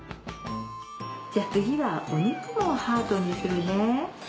じゃ次はお肉をハートにするね。